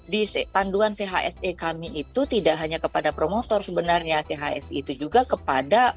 di panduan chse kami itu tidak hanya kepada promotor sebenarnya chse itu juga kepada